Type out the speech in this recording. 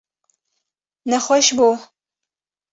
Nexweş bû.